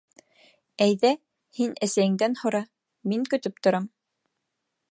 — Әйҙә, һин әсәйеңдән һора, мин көтөп торам.